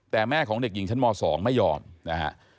แต่แม่ของเด็กหญิงชั้นม๒ไม่ยอมนะฮะ